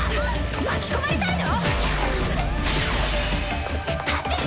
巻き込まれたいの⁉走って！